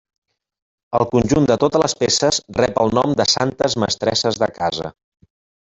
El conjunt de totes les peces rep el nom de Santes mestresses de casa.